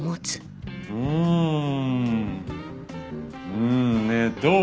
うーんねえどう？